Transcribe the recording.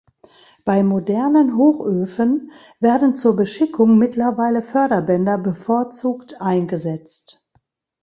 Bei modernen Hochöfen werden zur Beschickung mittlerweile Förderbänder bevorzugt eingesetzt.